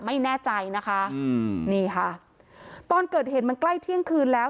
ไม่แน่ใจนะคะอืมนี่ค่ะตอนเกิดเหตุมันใกล้เที่ยงคืนแล้ว